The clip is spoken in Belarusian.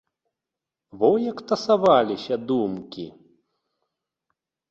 Во як тасаваліся думкі!